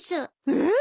えっ！？